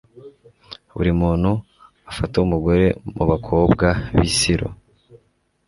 buri muntu afate umugore mu bakobwa b'i silo